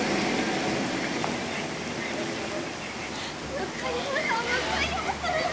向山さん向山さん！